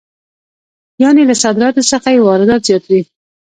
یانې له صادراتو څخه یې واردات زیات وي